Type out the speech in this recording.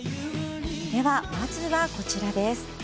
では、まずはこちらです。